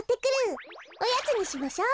おやつにしましょう。